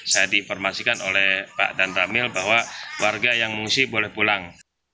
saya diinformasikan oleh pak dan ramil bahwa warga yang mengungsi boleh pulang